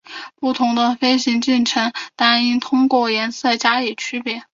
不同类型的飞行进程单应通过颜色加以区别。